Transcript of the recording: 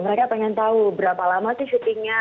mereka pengen tahu berapa lama sih syutingnya